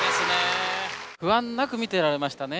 不安なく見てられましたね。